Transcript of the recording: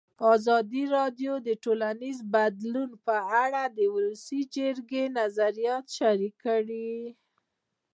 ازادي راډیو د ټولنیز بدلون په اړه د ولسي جرګې نظرونه شریک کړي.